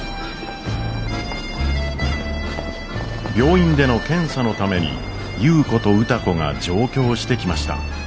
病院での検査のために優子と歌子が上京してきました。